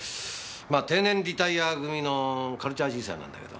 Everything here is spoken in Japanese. まぁ定年リタイア組のカルチャー爺さんなんだけど。